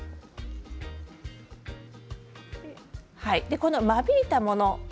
この間引いたもの